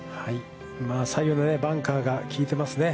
左右のバンカーが効いてますね。